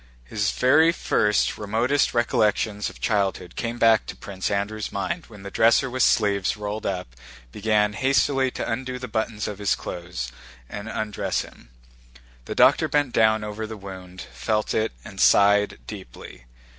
His very first, remotest recollections of childhood came back to Prince Andrew's mind when the dresser with sleeves rolled up began hastily to undo the buttons of his clothes and undressed him. The doctor bent down over the wound, felt it, and sighed deeply.